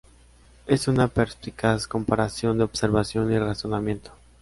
Es una perspicaz comparación de observación y razonamiento.